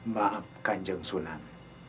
maafkan kanjeng sunan